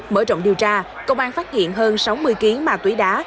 mở rộng điều tra công an phát hiện hơn sáu mươi kg ma túy đá